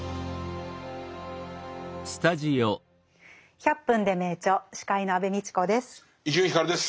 「１００分ｄｅ名著」司会の安部みちこです。